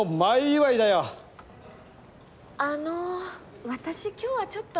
あの私今日はちょっと。